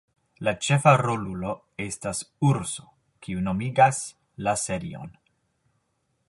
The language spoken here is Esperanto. La ĉefa rolulo estas urso kiu nomigas la serion.